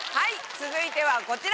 続いてはこちら！